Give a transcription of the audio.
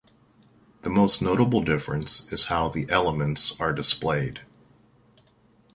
The most notable difference is how the elements are displayed.